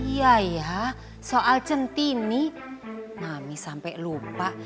iya iya soal cinti ini mami sampai lupa